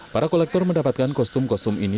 para kolektor mendapatkan kostum kostum ini